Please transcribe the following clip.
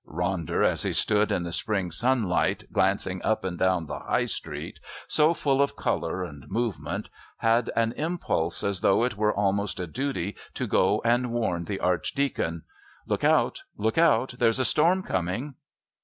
Ronder, as he stood in the spring sunlight, glancing up and down the High Street, so full of colour and movement, had an impulse as though it were almost a duty to go and warn the Archdeacon. "Look out! Look out! There's a storm coming!"